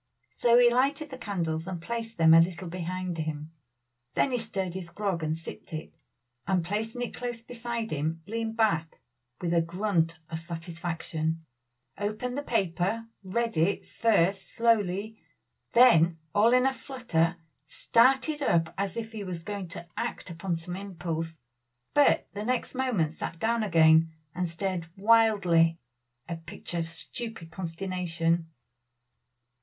So he lighted the candles and placed them a little behind him. Then he stirred his grog and sipped it, and placing it close beside him, leaned back with a grunt of satisfaction, opened the paper, read it first slowly, then all in a flutter, started up as if he was going to act upon some impulse; but the next moment sat down again and stared wildly a picture of stupid consternation.